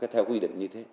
theo quy định như thế